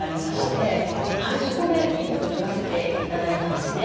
そこでインタビューをとらせて頂いたんですね。